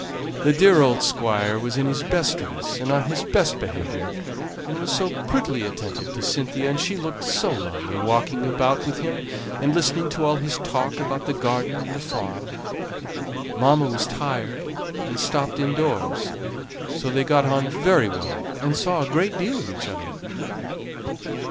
The dear old Squire was in his best dress and on his best behaviour, and was so prettily attentive to Cynthia, and she looked so lovely, walking about with him, and listening to all his talk about the garden and farm. Mamma was tired, and stopped in doors, so they got on very well, and saw a great deal of each other."